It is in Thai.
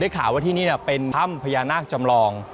ข่าวว่าที่นี่เป็นถ้ำพญานาคจำลอง